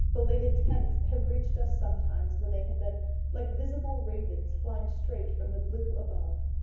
Belated tenths have reached us sometimes when they have been like visible ravens flying straight from the blue above.